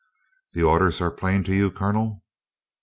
"The orders are plain to you, Colonel?"